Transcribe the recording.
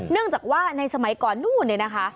เนื่องจากว่าในสมัยก่อนนู่นเนี่ยนะคะ